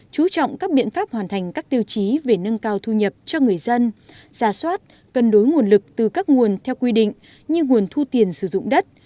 chú trọng các biện pháp hoàn thành các tiêu chí về nâng cao thu nhập cho người dân giả soát cân đối nguồn lực từ các nguồn theo quy định như nguồn thu tiền sử dụng đất